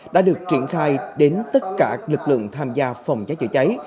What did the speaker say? đã được triển khai đến tất cả lực lượng tham gia phòng cháy chữa cháy